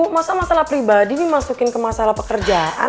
masa masalah pribadi dimasukin ke masalah pekerjaan